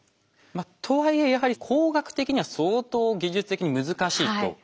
とはいえやはり工学的には相当技術的に難しいと。